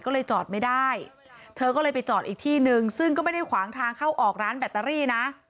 ก็เลยจอดไม่ได้เธอก็เลยไปจอดอีกที่นึงซึ่งก็ไม่ได้ขวางทางเข้าออกร้านแบตเตอรี่นะ